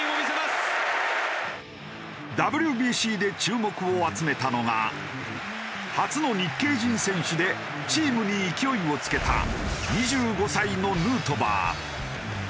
ＷＢＣで注目を集めたのが初の日系人選手でチームに勢いをつけた２５歳のヌートバー。